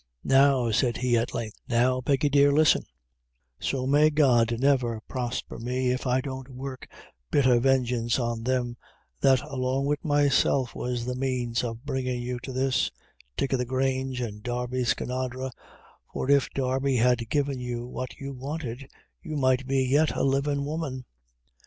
"Now," said he, at length; "now, Peggy dear, listen so may God never prosper me, if I don't work bitther vengeance on them that along wid myself, was the means of bringin' you to this Dick o' the Grange, an' Darby Skinadre, for if Darby had given you what you wanted, you might be yet a livin' woman.